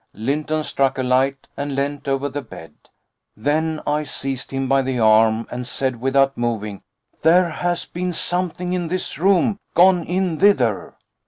Lynton struck a light and leant over the bed. Then I seized him by the arm, and said without moving: "There has been something in this room gone in thither."